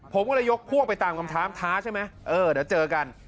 ผมก็เลยยกพวกไปตามคำถามท้าใช่ไหมเออเดี๋ยวเจอกัน